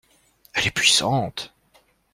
Elle est puissante.